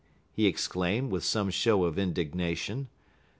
he exclaimed, with some show of indignation.